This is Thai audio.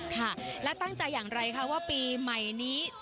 ค่ะและตั้งใจอย่างไรคะว่าปีใหม่นี้